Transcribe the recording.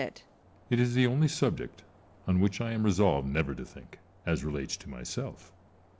Ccesar. It is the only subject on which I am resolved never to think, as relates to myself.